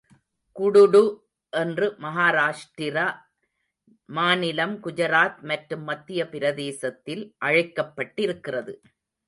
குடுடு என்று மகாராஷ்டிர மாநிலம், குஜராத் மற்றும் மத்திய பிரதேசத்தில் அழைக்கப்பட்டிருக்கிறது.